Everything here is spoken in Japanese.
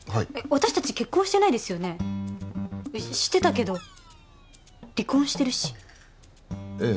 私達結婚してないですよねしてたけど離婚してるしええ